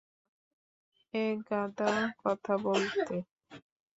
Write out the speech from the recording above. একগাদা কথা বলতে।